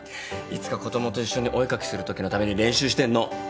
いつか子供と一緒にお絵描きするときのために練習してんの。